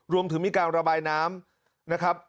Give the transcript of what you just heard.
รวมถึงมีการระบายน้ำนะครับ